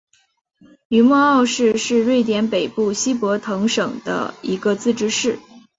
于默奥市是瑞典北部西博滕省的一个自治市。